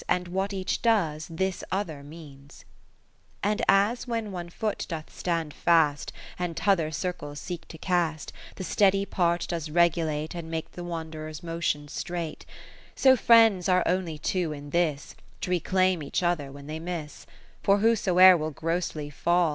And what each does, this other means. ( 529 ) i^i VIII And as when one foot does stand fast, And t' other circles seeks to cast, 30 The steady part does regulate And make the wand'rer's motion straight IX So friends are only two in this, T' reclaim each other when they miss : For whosoe'er will grossly fall.